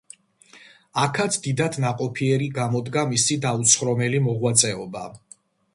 აქაც დიდად ნაყოფიერი გამოდგა მისი დაუცხრომელი მოღვაწეობა.